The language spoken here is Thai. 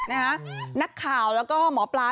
นักข่าวแล้วก็หมอปลา